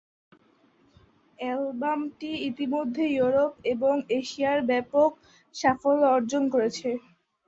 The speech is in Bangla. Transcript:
অ্যালবামটি ইতিমধ্যে ইউরোপ এবং এশিয়ায় ব্যাপক সাফল্য অর্জন করেছে।